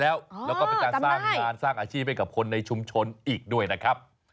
แล้วก็เป็นการสร้างงานสร้างอาชีพให้กับคนในชุมชนอีกด้วยนะครับ